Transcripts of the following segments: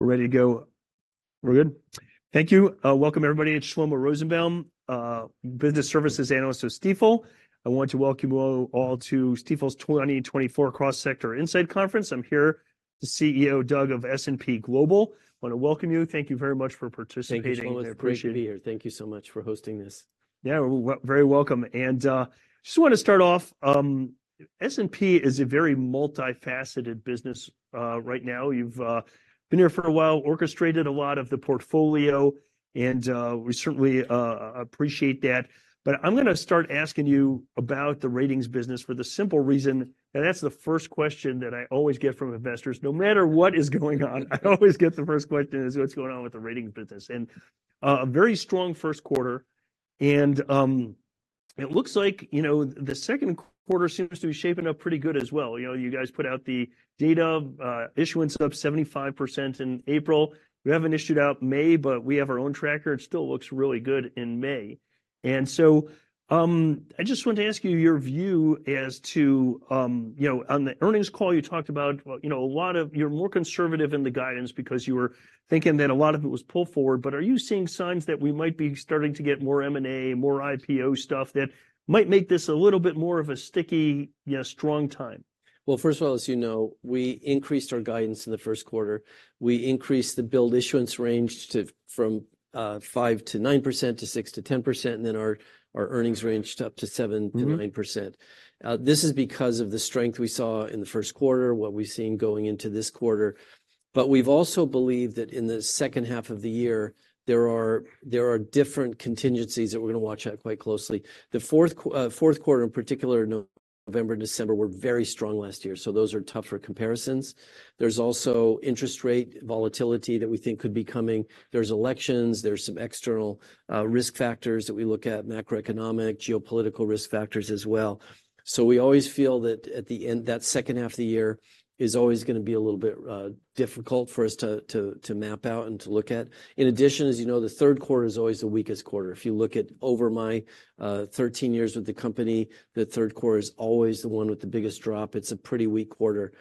We're ready to go. We're good? Thank you. Welcome, everybody. It's Shlomo Rosenbaum, business services analyst with Stifel. I want to welcome you all, all to Stifel's 2024 Cross-Sector Insight Conference. I'm here with the CEO, Doug, of S&P Global. I want to welcome you. Thank you very much for participating. Thank you, Shlomo. It's great to be here. I appreciate- Thank you so much for hosting this. Yeah, very welcome. And just want to start off, S&P is a very multifaceted business right now. You've been here for a while, orchestrated a lot of the portfolio, and we certainly appreciate that. But I'm gonna start asking you about the ratings business for the simple reason, and that's the first question that I always get from investors. No matter what is going on, I always get the first question is, "What's going on with the ratings business?" And a very strong first quarter, and it looks like, you know, the second quarter seems to be shaping up pretty good as well. You know, you guys put out the data, issuance up 75% in April. We haven't issued out May, but we have our own tracker. It still looks really good in May. I just want to ask you your view as to... You know, on the earnings call, you talked about, well, you know, a lot of—you're more conservative in the guidance because you were thinking that a lot of it was pull forward. But are you seeing signs that we might be starting to get more M&A, more IPO stuff, that might make this a little bit more of a sticky, you know, strong time? Well, first of all, as you know, we increased our guidance in the first quarter. We increased the billed issuance range from 5%-9% to 6%-10%, and then our earnings ranged up to seven- Mm-hmm... to 9%. This is because of the strength we saw in the first quarter, what we've seen going into this quarter. But we've also believed that in the second half of the year, there are, there are different contingencies that we're gonna watch out quite closely. The fourth quarter, in particular, November, December, were very strong last year, so those are tougher comparisons. There's also interest rate volatility that we think could be coming. There's elections, there's some external, risk factors that we look at, macroeconomic, geopolitical risk factors as well. So we always feel that at the end, that second half of the year is always gonna be a little bit, difficult for us to, to, to map out and to look at. In addition, as you know, the third quarter is always the weakest quarter. If you look at over my 13 years with the company, the third quarter is always the one with the biggest drop. It's a pretty weak quarter.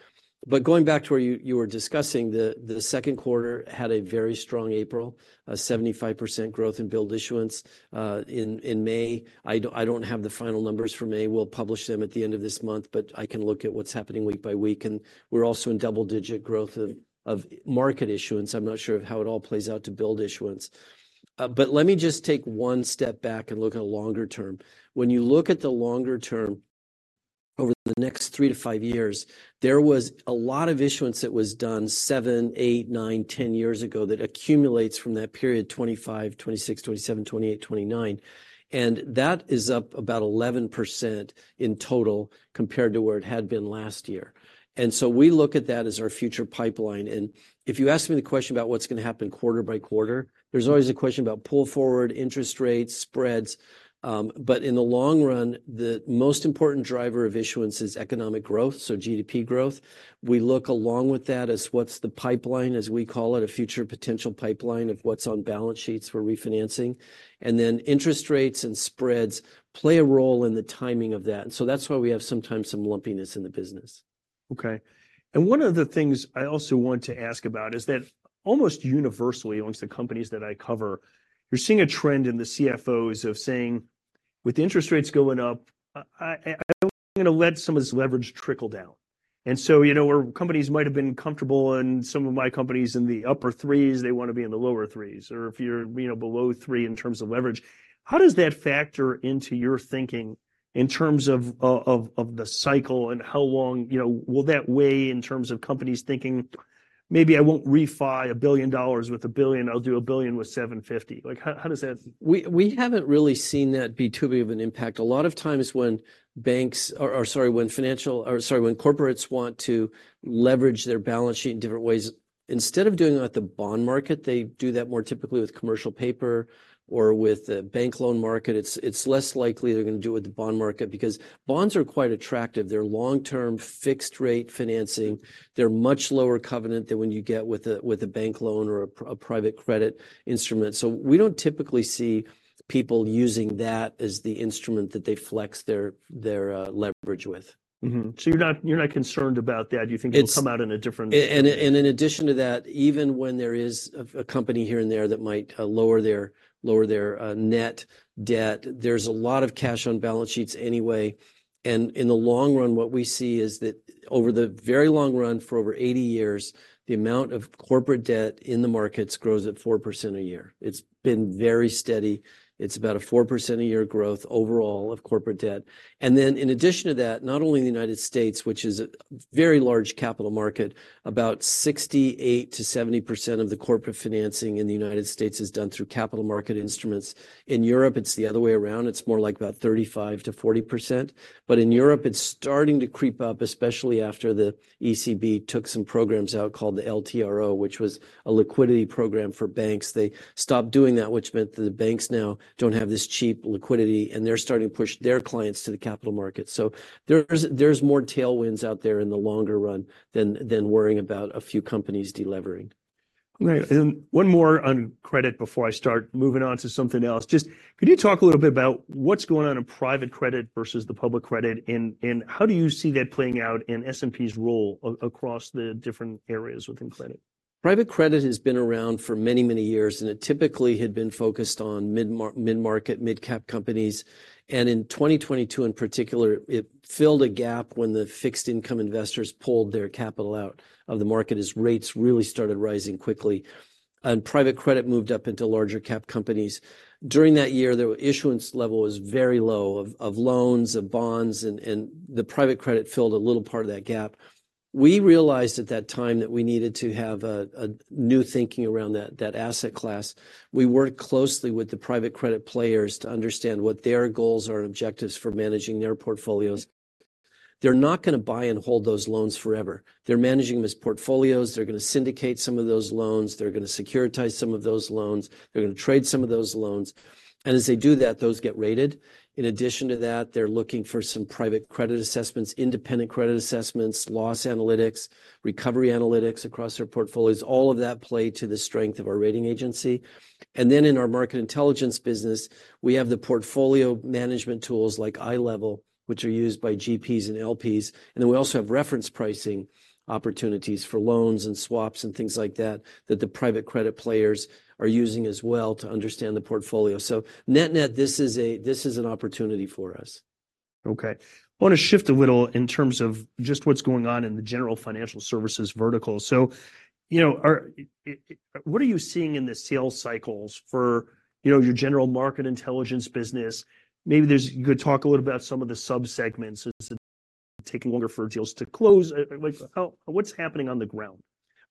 But going back to where you were discussing, the second quarter had a very strong April, a 75% growth in billed issuance. In May... I don't have the final numbers for May. We'll publish them at the end of this month, but I can look at what's happening week by week, and we're also in double-digit growth of market issuance. I'm not sure of how it all plays out to billed issuance. But let me just take one step back and look at the longer term. When you look at the longer term, over the next 3-5 years, there was a lot of issuance that was done 7, 8, 9, 10 years ago that accumulates from that period, 2025, 2026, 2027, 2028, 2029, and that is up about 11% in total, compared to where it had been last year. And so we look at that as our future pipeline. And if you ask me the question about what's gonna happen quarter by quarter, there's always a question about pull forward, interest rates, spreads, but in the long run, the most important driver of issuance is economic growth, so GDP growth. We look along with that as what's the pipeline, as we call it, a future potential pipeline of what's on balance sheets for refinancing. And then interest rates and spreads play a role in the timing of that, and so that's why we have sometimes some lumpiness in the business. Okay. And one of the things I also want to ask about is that almost universally, among the companies that I cover, you're seeing a trend in the CFOs of saying, "With interest rates going up, I'm gonna let some of this leverage trickle down." And so, you know, where companies might have been comfortable, and some of my companies in the upper threes, they want to be in the lower threes, or if you're, you know, below three in terms of leverage. How does that factor into your thinking in terms of the cycle, and how long... You know, will that weigh in terms of companies thinking, "Maybe I won't refi $1 billion with $1 billion, I'll do $1 billion with $750 million?" Like, how does that- We haven't really seen that be too big of an impact. A lot of times when corporates want to leverage their balance sheet in different ways, instead of doing it at the bond market, they do that more typically with commercial paper or with the bank loan market. It's less likely they're gonna do it with the bond market because bonds are quite attractive. They're long-term, fixed-rate financing. They're much lower covenant than when you get with a bank loan or a private credit instrument. So we don't typically see people using that as the instrument that they flex their leverage with. Mm-hmm. So you're not, you're not concerned about that. It's- You think it'll come out in a different- And in addition to that, even when there is a company here and there that might lower their net debt, there's a lot of cash on balance sheets anyway. And in the long run, what we see is that over the very long run, for over 80 years, the amount of corporate debt in the markets grows at 4% a year. It's been very steady. It's about a 4% a year growth overall of corporate debt. And then, in addition to that, not only in the United States, which is a very large capital market, about 68%-70% of the corporate financing in the United States is done through capital market instruments. In Europe, it's the other way around, it's more like about 35%-40%. In Europe, it's starting to creep up, especially after the ECB took some programs out called the LTRO, which was a liquidity program for banks. They stopped doing that, which meant that the banks now don't have this cheap liquidity, and they're starting to push their clients to the capital market. So there's more tailwinds out there in the longer run than worrying about a few companies de-levering. Right. And one more on credit before I start moving on to something else. Just could you talk a little bit about what's going on in private credit versus the public credit, and, and how do you see that playing out in S&P's role across the different areas within credit? ... Private credit has been around for many, many years, and it typically had been focused on mid-market, mid-cap companies. In 2022, in particular, it filled a gap when the fixed-income investors pulled their capital out of the market as rates really started rising quickly, and private credit moved up into larger cap companies. During that year, the issuance level was very low of loans, of bonds, and the private credit filled a little part of that gap. We realized at that time that we needed to have a new thinking around that asset class. We worked closely with the private credit players to understand what their goals or objectives for managing their portfolios. They're not gonna buy and hold those loans forever. They're managing them as portfolios. They're gonna syndicate some of those loans. They're gonna securitize some of those loans. They're gonna trade some of those loans, and as they do that, those get rated. In addition to that, they're looking for some private credit assessments, independent credit assessments, loss analytics, recovery analytics across their portfolios. All of that play to the strength of our rating agency. And then in our Market Intelligence business, we have the portfolio management tools like iLevel, which are used by GPs and LPs, and then we also have reference pricing opportunities for loans and swaps and things like that, that the private credit players are using as well to understand the portfolio. So net, net, this is a- this is an opportunity for us. Okay, I want to shift a little in terms of just what's going on in the general financial services vertical. So, you know, what are you seeing in the sales cycles for, you know, your general Market Intelligence business? Maybe there's... You could talk a little about some of the subsegments taking longer for deals to close. Like, what's happening on the ground?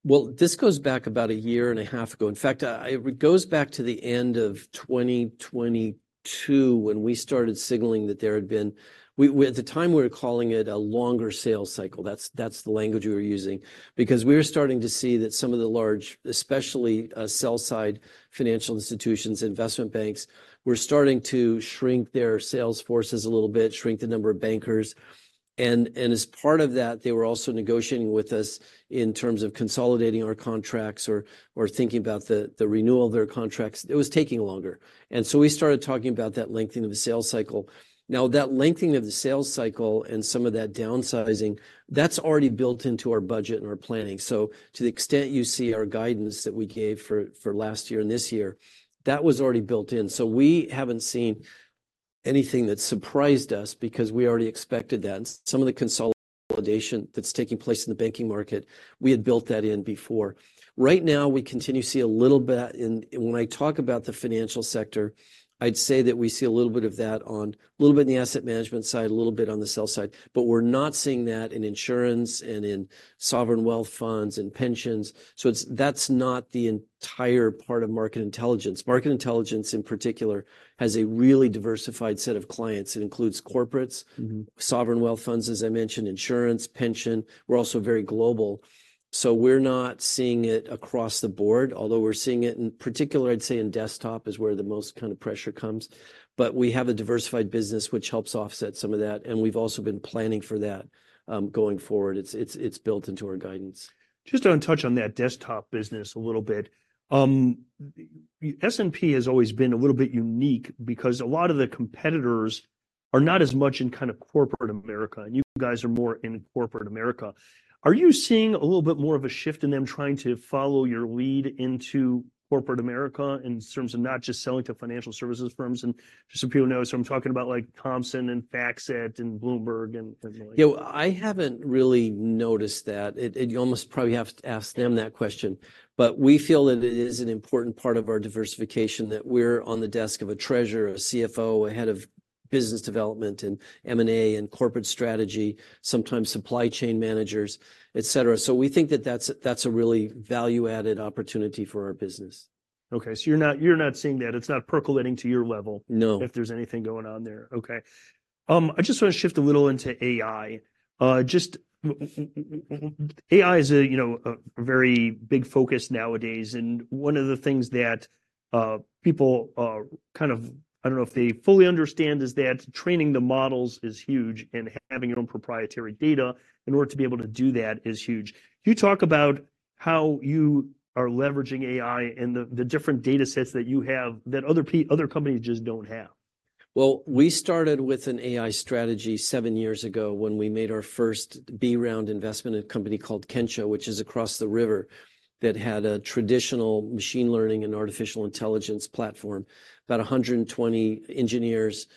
Well, this goes back about a year and a half ago. In fact, it goes back to the end of 2022, when we started signaling that there had been - at the time, we were calling it a longer sales cycle. That's the language we were using, because we were starting to see that some of the large, especially, sell-side financial institutions, investment banks, were starting to shrink their sales forces a little bit, shrink the number of bankers. And as part of that, they were also negotiating with us in terms of consolidating our contracts or thinking about the renewal of their contracts. It was taking longer, and so we started talking about that lengthening of the sales cycle. Now, that lengthening of the sales cycle and some of that downsizing, that's already built into our budget and our planning. So to the extent you see our guidance that we gave for last year and this year, that was already built in. So we haven't seen anything that surprised us because we already expected that. And some of the consolidation that's taking place in the banking market, we had built that in before. Right now, we continue to see a little bit. And when I talk about the financial sector, I'd say that we see a little bit of that, a little bit in the asset management side, a little bit on the sell side, but we're not seeing that in insurance and in sovereign wealth funds and pensions. So that's not the entire part of Market Intelligence. Market Intelligence, in particular, has a really diversified set of clients. It includes corporates- Mm-hmm. —sovereign wealth funds, as I mentioned, insurance, pension. We're also very global, so we're not seeing it across the board, although we're seeing it in particular, I'd say, in desktop is where the most kind of pressure comes. But we have a diversified business, which helps offset some of that, and we've also been planning for that, going forward. It's built into our guidance. Just want to touch on that desktop business a little bit. S&P has always been a little bit unique because a lot of the competitors are not as much in kind of corporate America, and you guys are more in corporate America. Are you seeing a little bit more of a shift in them trying to follow your lead into corporate America in terms of not just selling to financial services firms? And just so people know, so I'm talking about, like, Thomson and FactSet and Bloomberg and, and like- Yeah, I haven't really noticed that. And you almost probably have to ask them that question. But we feel that it is an important part of our diversification, that we're on the desk of a treasurer, a CFO, a head of business development in M&A and corporate strategy, sometimes supply chain managers, et cetera. So we think that that's a, that's a really value-added opportunity for our business. Okay, so you're not, you're not seeing that. It's not percolating to your level- No... if there's anything going on there. Okay. I just want to shift a little into AI. Just AI is a, you know, a very big focus nowadays, and one of the things that people kind of, I don't know if they fully understand, is that training the models is huge, and having your own proprietary data in order to be able to do that is huge. Can you talk about how you are leveraging AI and the different datasets that you have that other companies just don't have? Well, we started with an AI strategy 7 years ago when we made our first B-round investment in a company called Kensho, which is across the river, that had a traditional machine learning and artificial intelligence platform. About 120 engineers,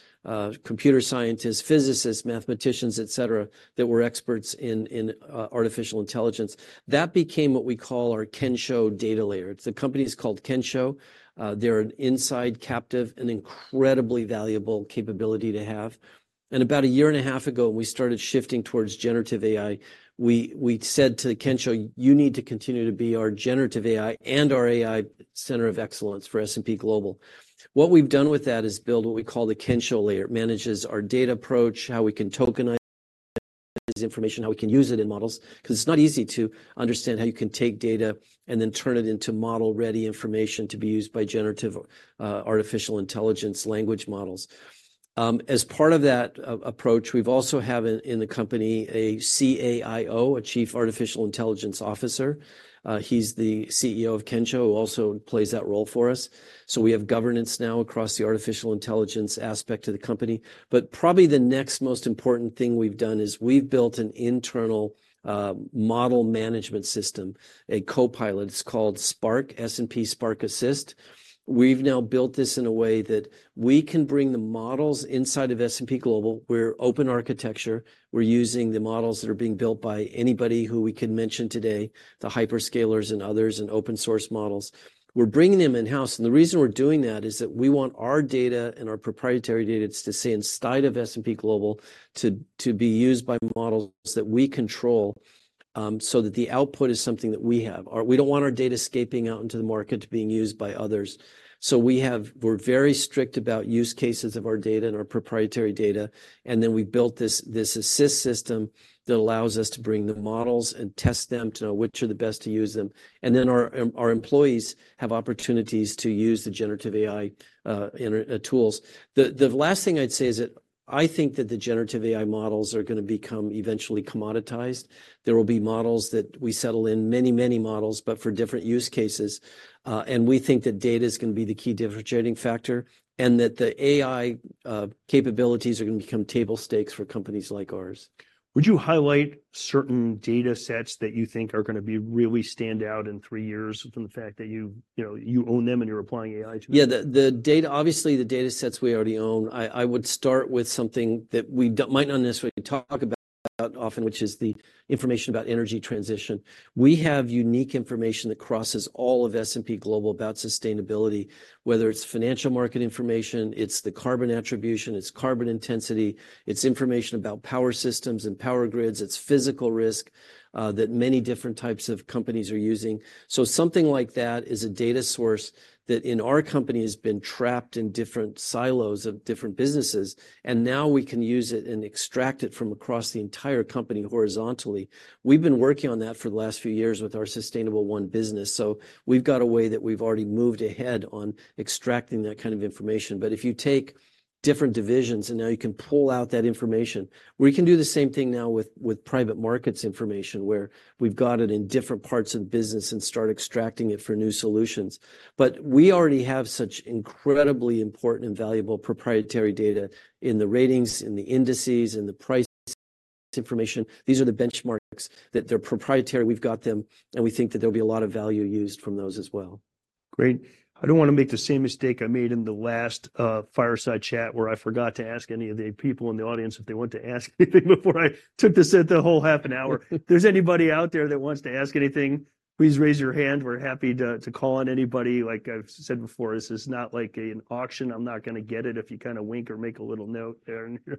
computer scientists, physicists, mathematicians, et cetera, that were experts in artificial intelligence. That became what we call our Kensho data layer. The company is called Kensho. They're an inside captive and incredibly valuable capability to have. About a year and a half ago, we started shifting towards generative AI. We said to Kensho, "You need to continue to be our generative AI and our AI center of excellence for S&P Global." What we've done with that is build what we call the Kensho layer. Manages our data approach, how we can tokenize information, how we can use it in models, 'cause it's not easy to understand how you can take data and then turn it into model-ready information to be used by generative artificial intelligence language models. As part of that approach, we've also have in the company a CAIO, a Chief Artificial Intelligence Officer. He's the CEO of Kensho, who also plays that role for us. So we have governance now across the artificial intelligence aspect of the company. But probably the next most important thing we've done is we've built an internal model management system, a co-pilot. It's called Spark, S&P Spark Assist. We've now built this in a way that we can bring the models inside of S&P Global. We're open architecture. We're using the models that are being built by anybody who we can mention today, the hyperscalers and others, and open source models. We're bringing them in-house, and the reason we're doing that is that we want our data and our proprietary data to stay inside of S&P Global, to be used by models that we control, so that the output is something that we have. Or we don't want our data escaping out into the market, to being used by others. So we're very strict about use cases of our data and our proprietary data, and then we built this assist system that allows us to bring the models and test them to know which are the best to use them. And then our employees have opportunities to use the generative AI in tools. The last thing I'd say is that I think that the generative AI models are gonna become eventually commoditized. There will be models that we settle in many, many models, but for different use cases. And we think that data is gonna be the key differentiating factor, and that the AI capabilities are gonna become table stakes for companies like ours. Would you highlight certain data sets that you think are gonna be really stand out in three years from the fact that you, you know, you own them and you're applying AI to them? Yeah, the data obviously, the data sets we already own. I would start with something that we might not necessarily talk about often, which is the information about energy transition. We have unique information that crosses all of S&P Global about sustainability, whether it's financial market information, it's the carbon attribution, it's carbon intensity, it's information about power systems and power grids, it's physical risk that many different types of companies are using. So something like that is a data source that in our company has been trapped in different silos of different businesses, and now we can use it and extract it from across the entire company horizontally. We've been working on that for the last few years with our Sustainable1 business, so we've got a way that we've already moved ahead on extracting that kind of information. But if you take different divisions, and now you can pull out that information. We can do the same thing now with private markets information, where we've got it in different parts of business and start extracting it for new solutions. But we already have such incredibly important and valuable proprietary data in the ratings, in the indices, in the price information. These are the benchmarks that they're proprietary. We've got them, and we think that there'll be a lot of value used from those as well. Great. I don't wanna make the same mistake I made in the last fireside chat, where I forgot to ask any of the people in the audience if they want to ask anything before I took this, the whole half an hour. If there's anybody out there that wants to ask anything, please raise your hand. We're happy to call on anybody. Like I've said before, this is not like an auction. I'm not gonna get it if you kinda wink or make a little note there in your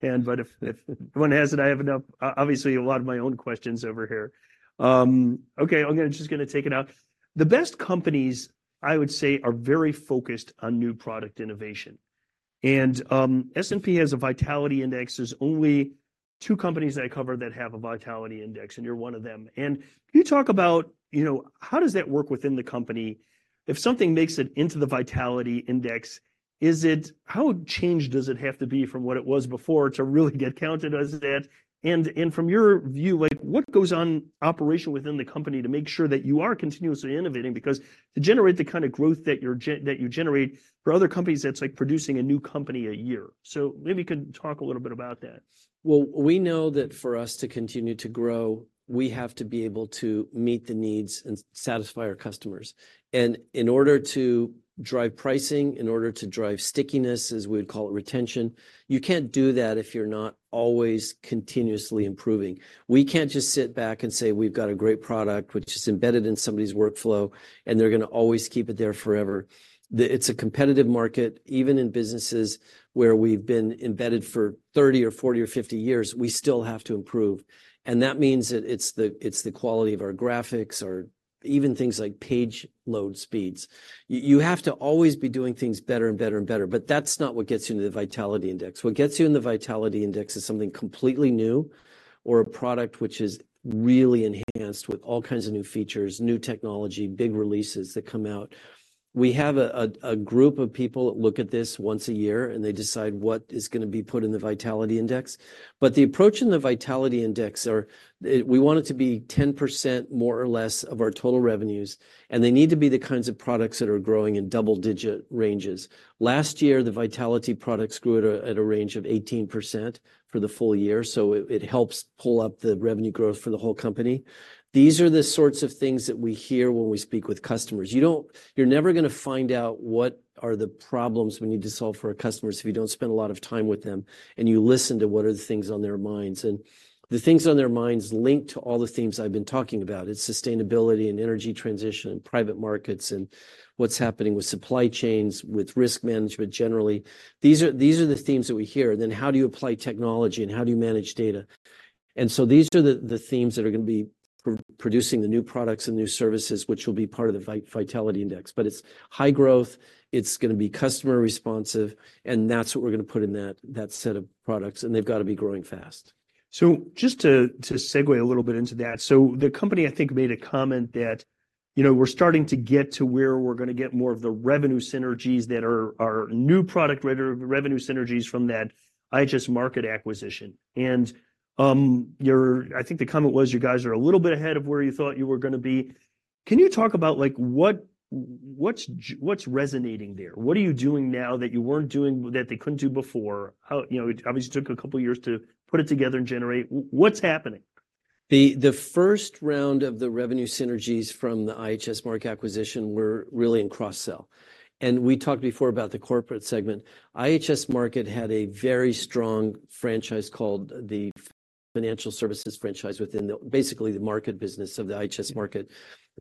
hand. But if no one has it, I have enough obviously, a lot of my own questions over here. Okay, I'm gonna just take it out. The best companies, I would say, are very focused on new product innovation. And S&P has a Vitality Index. There's only two companies that I cover that have a Vitality Index, and you're one of them. And can you talk about, you know, how does that work within the company? If something makes it into the Vitality Index, is it... How changed does it have to be from what it was before to really get counted as that? And from your view, like, what goes on operationally within the company to make sure that you are continuously innovating? Because to generate the kind of growth that you generate, for other companies, that's like producing a new company a year. So maybe you could talk a little bit about that. Well, we know that for us to continue to grow, we have to be able to meet the needs and satisfy our customers. In order to drive pricing, in order to drive stickiness, as we'd call it, retention, you can't do that if you're not always continuously improving. We can't just sit back and say: We've got a great product which is embedded in somebody's workflow, and they're gonna always keep it there forever. It's a competitive market. Even in businesses where we've been embedded for 30 or 40 or 50 years, we still have to improve, and that means that it's the, it's the quality of our graphics or even things like page load speeds. You have to always be doing things better and better and better, but that's not what gets you into the Vitality Index. What gets you in the Vitality Index is something completely new or a product which is really enhanced with all kinds of new features, new technology, big releases that come out. We have a group of people that look at this once a year, and they decide what is gonna be put in the Vitality Index. But the approach in the Vitality Index are, we want it to be 10%, more or less, of our total revenues, and they need to be the kinds of products that are growing in double-digit ranges. Last year, the Vitality products grew at a range of 18% for the full year, so it helps pull up the revenue growth for the whole company. These are the sorts of things that we hear when we speak with customers. You don't-- You're never gonna find out what are the problems we need to solve for our customers if you don't spend a lot of time with them, and you listen to what are the things on their minds. And the things on their minds link to all the themes I've been talking about. It's sustainability and energy transition and private markets and what's happening with supply chains, with risk management generally. These are, these are the themes that we hear, and then how do you apply technology, and how do you manage data? And so these are the, the themes that are gonna be producing the new products and new services, which will be part of the Vitality Index. But it's high growth, it's gonna be customer responsive, and that's what we're gonna put in that, that set of products, and they've got to be growing fast. So just to segue a little bit into that, so the company, I think, made a comment that you know, we're starting to get to where we're gonna get more of the revenue synergies that are new product revenue synergies from that IHS Markit acquisition. And, I think the comment was you guys are a little bit ahead of where you thought you were gonna be. Can you talk about, like, what's resonating there? What are you doing now that you weren't doing, that they couldn't do before? How, you know, it obviously took a couple of years to put it together and generate. What's happening? The first round of the revenue synergies from the IHS Markit acquisition were really in cross-sell, and we talked before about the corporate segment. IHS Markit had a very strong franchise called the Financial Services franchise, within the, basically, the Markit business of the IHS Markit.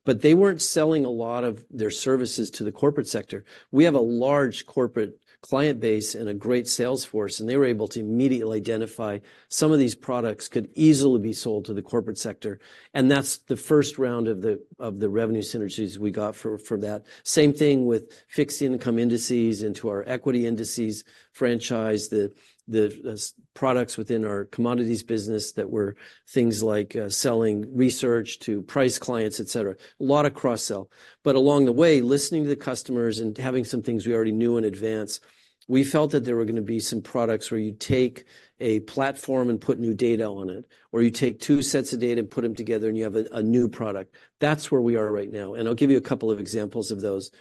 But they weren't selling a lot of their services to the corporate sector. We have a large corporate client base and a great sales force, and they were able to immediately identify some of these products could easily be sold to the corporate sector, and that's the first round of the revenue synergies we got for that. Same thing with fixed-income indices into our equity indices franchise, the S&P products within our commodities business that were things like, selling research to Platts clients, et cetera. A lot of cross-sell. But along the way, listening to the customers and having some things we already knew in advance, we felt that there were gonna be some products where you take a platform and put new data on it, or you take two sets of data and put them together, and you have a new product. That's where we are right now, and I'll give you a couple of examples of those.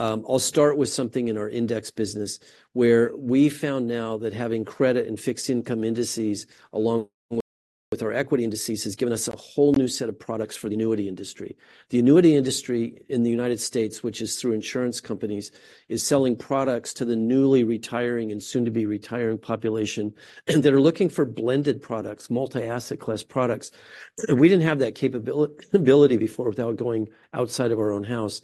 I'll start with something in our index business, where we found now that having credit and fixed-income indices, along with our equity indices, has given us a whole new set of products for the annuity industry. The annuity industry in the United States, which is through insurance companies, is selling products to the newly retiring and soon-to-be-retiring population, and they're looking for blended products, multi-asset class products. We didn't have that capability, ability before without going outside of our own house,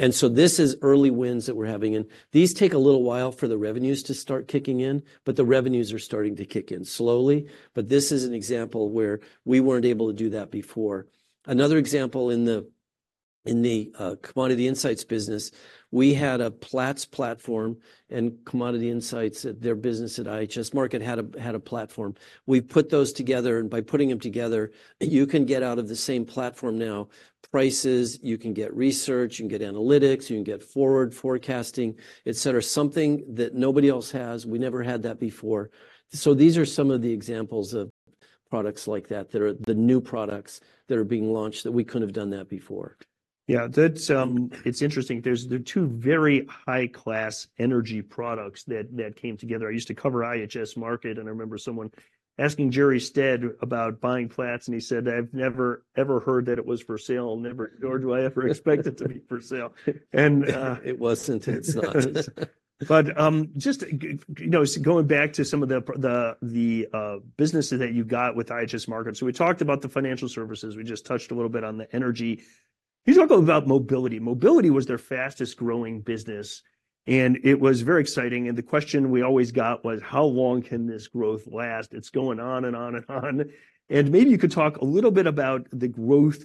and so this is early wins that we're having, and these take a little while for the revenues to start kicking in, but the revenues are starting to kick in slowly. But this is an example where we weren't able to do that before. Another example in the, in the, Commodity Insights business, we had a Platts platform, and Commodity Insights, their business at IHS Markit had a platform. We put those together, and by putting them together, you can get out of the same platform now, prices, you can get research, you can get analytics, you can get forward forecasting, et cetera, something that nobody else has. We never had that before. These are some of the examples of products like that that are the new products that are being launched, that we couldn't have done that before. Yeah, that's. It's interesting. There are two very high-class energy products that came together. I used to cover IHS Markit, and I remember someone asking Jerre Stead about buying Platts, and he said, "I've never, ever heard that it was for sale, nor do I ever expect it to be for sale. And, it wasn't, and it's not. But, just, you know, so going back to some of the businesses that you got with IHS Markit. So we talked about the financial services. We just touched a little bit on the energy. Can you talk a little about Mobility? Mobility was their fastest-growing business, and it was very exciting, and the question we always got was, how long can this growth last? It's going on and on and on. And maybe you could talk a little bit about the growth,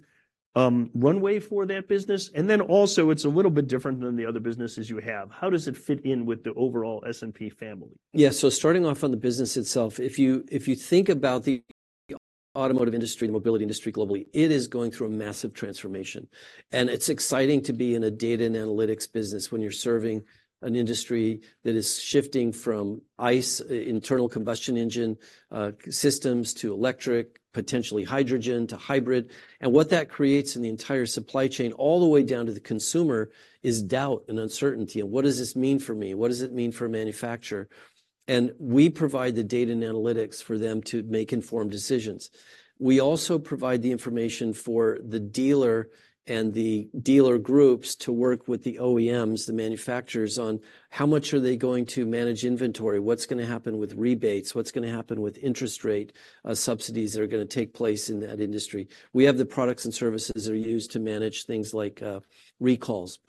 runway for that business. And then also, it's a little bit different than the other businesses you have. How does it fit in with the overall S&P family? Yeah, so starting off on the business itself, if you, if you think about the automotive industry and mobility industry globally, it is going through a massive transformation. And it's exciting to be in a data and analytics business when you're serving an industry that is shifting from ICE, internal combustion engine, systems to electric, potentially hydrogen, to hybrid. And what that creates in the entire supply chain, all the way down to the consumer, is doubt and uncertainty, and what does this mean for me? What does it mean for a manufacturer? And we provide the data and analytics for them to make informed decisions. We also provide the information for the dealer and the dealer groups to work with the OEMs, the manufacturers, on how much are they going to manage inventory, what's gonna happen with rebates, what's gonna happen with interest rate subsidies that are gonna take place in that industry. We have the products and services that are used to manage things like recalls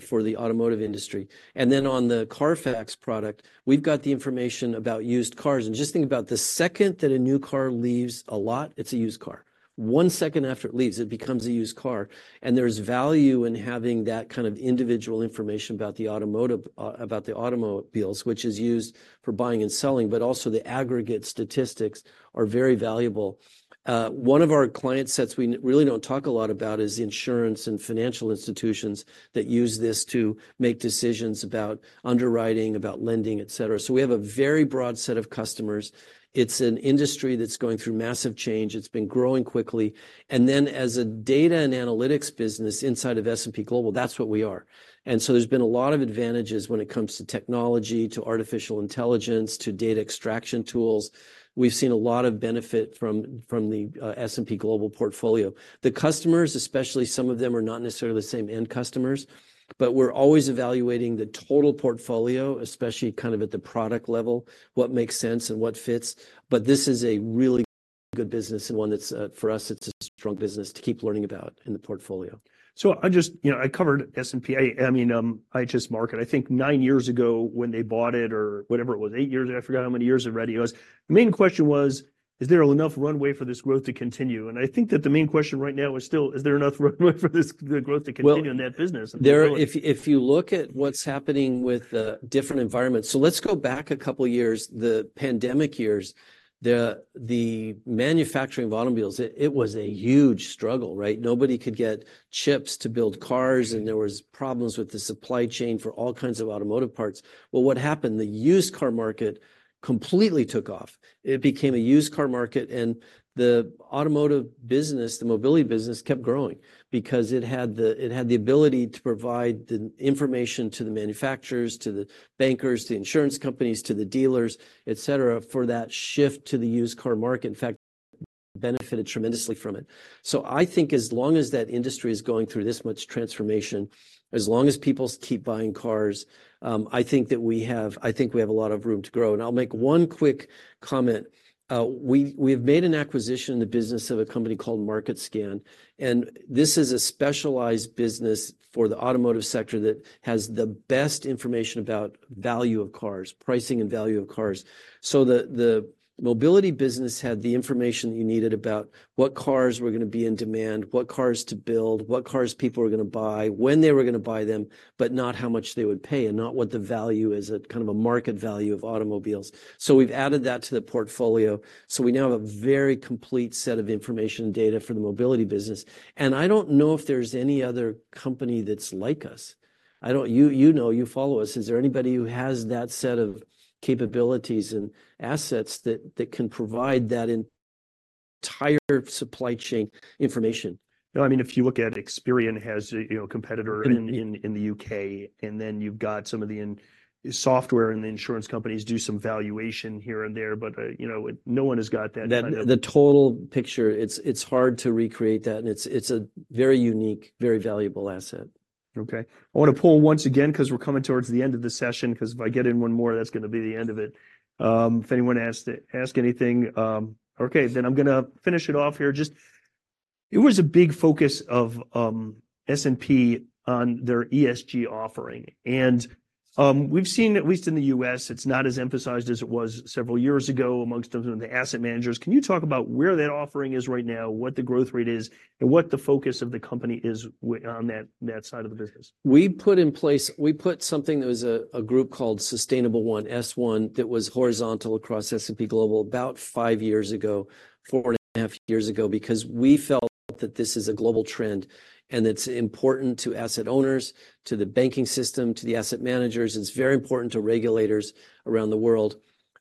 for the automotive industry. And then, on the Carfax product, we've got the information about used cars, and just think about the second that a new car leaves a lot, it's a used car. One second after it leaves, it becomes a used car, and there's value in having that kind of individual information about the automotive, about the automobiles, which is used for buying and selling, but also the aggregate statistics are very valuable. One of our client sets we really don't talk a lot about is insurance and financial institutions that use this to make decisions about underwriting, about lending, et cetera. So we have a very broad set of customers. It's an industry that's going through massive change. It's been growing quickly. And then, as a data and analytics business inside of S&P Global, that's what we are. And so there's been a lot of advantages when it comes to technology, to artificial intelligence, to data extraction tools. We've seen a lot of benefit from the S&P Global portfolio. The customers, especially some of them, are not necessarily the same end customers, but we're always evaluating the total portfolio, especially kind of at the product level, what makes sense and what fits, but this is a really good business, and one that's, for us, it's a strong business to keep learning about in the portfolio. So I just... You know, I covered S&P—I mean, IHS Markit, I think nine years ago, when they bought it, or whatever it was, eight years ago, I forgot how many years already it was. The main question was... Is there enough runway for this growth to continue? And I think that the main question right now is still, is there enough runway for this, the growth to continue in that business? If you look at what's happening with the different environments. So let's go back a couple of years, the pandemic years. The manufacturing of automobiles, it was a huge struggle, right? Nobody could get chips to build cars, and there was problems with the supply chain for all kinds of automotive parts. Well, what happened? The used car market completely took off. It became a used car market, and the automotive business, the Mobility business, kept growing because it had the ability to provide the information to the manufacturers, to the bankers, to insurance companies, to the dealers, et cetera, for that shift to the used car market. In fact, benefited tremendously from it. So I think as long as that industry is going through this much transformation, as long as people keep buying cars, I think that we have a lot of room to grow. And I'll make one quick comment. We've made an acquisition in the business of a company called Market Scan, and this is a specialized business for the automotive sector that has the best information about value of cars, pricing and value of cars. So the Mobility business had the information you needed about what cars were gonna be in demand, what cars to build, what cars people were gonna buy, when they were gonna buy them, but not how much they would pay, and not what the value is, at kind of a market value of automobiles. So we've added that to the portfolio. So we now have a very complete set of information and data for the Mobility business, and I don't know if there's any other company that's like us. I don't... You know, you follow us. Is there anybody who has that set of capabilities and assets that can provide that entire supply chain information? No, I mean, if you look at Experian has, you know, a competitor in the UK, and then you've got some of the in- software and the insurance companies do some valuation here and there, but, you know, no one has got that- That, the total picture. It's hard to recreate that, and it's a very unique, very valuable asset. Okay. I want to poll once again, 'cause we're coming towards the end of the session, 'cause if I get in one more, that's gonna be the end of it. If anyone has to ask anything... Okay, then I'm gonna finish it off here. Just, it was a big focus of S&P on their ESG offering, and we've seen, at least in the U.S., it's not as emphasized as it was several years ago amongst some of the asset managers. Can you talk about where that offering is right now, what the growth rate is, and what the focus of the company is on that, that side of the business? We put in place—we put something that was a group called Sustainable1, S1, that was horizontal across S&P Global about 5 years ago, 4.5 years ago, because we felt that this is a global trend, and it's important to asset owners, to the banking system, to the asset managers. It's very important to regulators around the world.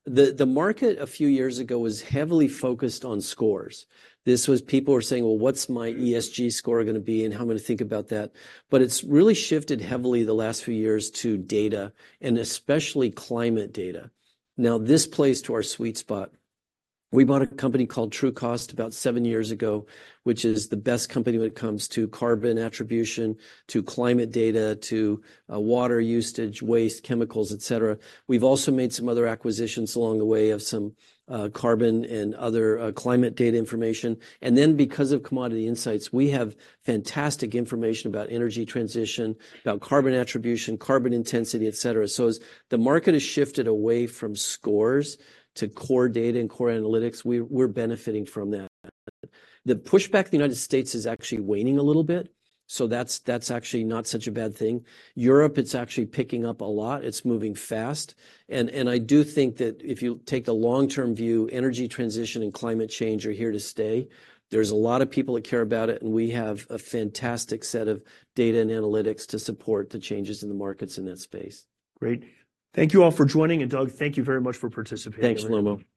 The market a few years ago was heavily focused on scores. This was, people were saying: "Well, what's my ESG score gonna be, and how am I gonna think about that?" But it's really shifted heavily the last few years to data, and especially climate data. Now, this plays to our sweet spot. We bought a company called Trucost about seven years ago, which is the best company when it comes to carbon attribution, to climate data, to water usage, waste, chemicals, et cetera. We've also made some other acquisitions along the way of some carbon and other climate data information. And then because of Commodity Insights, we have fantastic information about energy transition, about carbon attribution, carbon intensity, et cetera. So as the market has shifted away from scores to core data and core analytics, we're, we're benefiting from that. The pushback in the United States is actually waning a little bit, so that's, that's actually not such a bad thing. Europe, it's actually picking up a lot. It's moving fast. And I do think that if you take the long-term view, energy transition and climate change are here to stay. There's a lot of people that care about it, and we have a fantastic set of data and analytics to support the changes in the markets in that space. Great. Thank you all for joining. Doug, thank you very much for participating. Thanks, Shlomo.